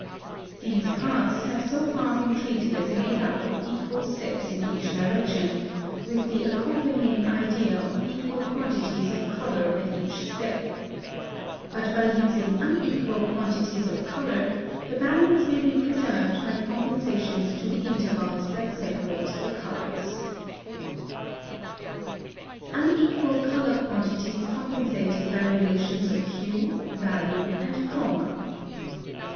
(164) These paths have so far been treated as made up of equal steps in each direction, with the accompanying idea of equal quantities of color at each step. But by using unequal quantities of color, the balance may be preserved by compensations to the intervals that separate the colors (see paragraphs 109, 110). +Unequal color quantities compensated by relations of hue, value, and chroma.